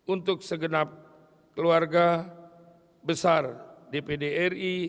untuk segenap keluarga besar dpd ri